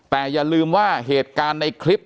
แต่อย่าลืมว่าเหตุการณ์ในคลิป